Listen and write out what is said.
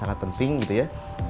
sangat penting gitu ya